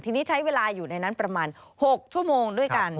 ทีนี้ใช้เวลาอยู่ในนั้นประมาณ๖ชั่วโมงด้วยกัน